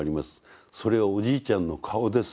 それはおじいちゃんの顔です。